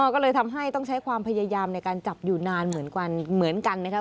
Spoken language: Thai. ก็เลยทำให้ต้องใช้ความพยายามในการจับอยู่นานเหมือนกันนะครับ